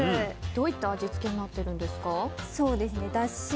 どういった味付けになっているんですか？